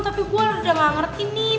tapi gue udah gak ngerti nih